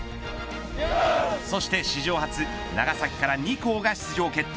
そして史上初長崎から２校が出場決定。